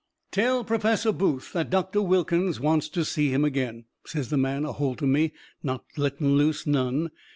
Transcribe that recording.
"Tell Professor Booth that Doctor Wilkins wants to see him again," says the man a holt o' me, not letting loose none.